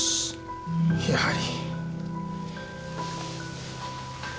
やはり。